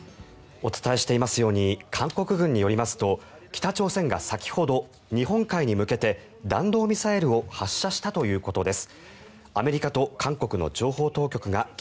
お伝えしていますように韓国軍によりますと北朝鮮が先ほど、日本海に向けて弾道ミサイルを発射したということです。